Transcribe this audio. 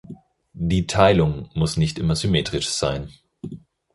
Die Teilung muss nicht immer symmetrisch sein.